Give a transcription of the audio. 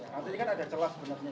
karena itu kan ada celah sebenarnya